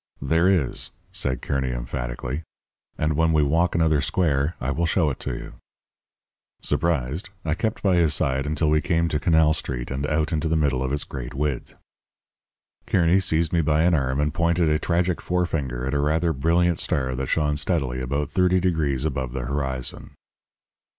"'There is,' said Kearny emphatically, 'and when we walk another square I will show it to you.' "Surprised, I kept by his side until we came to Canal Street and out into the middle of its great width. "Kearny seized me by an arm and pointed a tragic forefinger at a rather brilliant star that shone steadily about thirty degrees above the horizon.